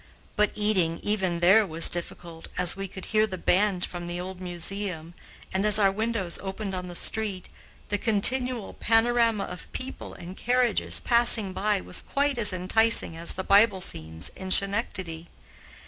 But eating, even there, was difficult, as we could hear the band from the old museum, and, as our windows opened on the street, the continual panorama of people and carriages passing by was quite as enticing as the Bible scenes in Schenectady.